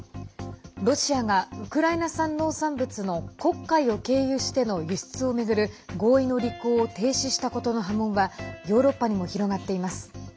ロシアがウクライナ産農産物の黒海を経由しての輸出を巡る合意の履行を停止したことの波紋はヨーロッパにも広がっています。